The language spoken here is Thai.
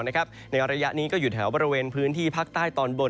ในระยะนี้ก็อยู่แถวบริเวณพื้นที่ภาคใต้ตอนบน